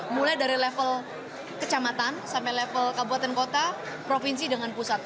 mulai dari level kecamatan sampai level kabupaten kota provinsi dengan pusat